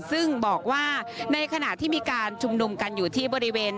ซึ่งบอกว่าในขณะที่มีการชุมนุมกันอยู่ที่บริเวณ